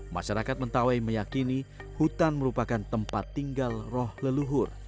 masyarakat mentawai meyakini hutan merupakan tempat tinggal roh leluhur